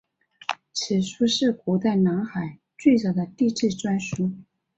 此书是古代南海最早的地志专书。